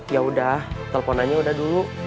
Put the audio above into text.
yaudah teleponannya udah dulu